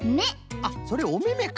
あっそれおめめか！